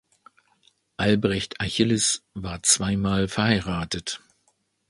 Albrecht Achilles war zweimal verheiratet.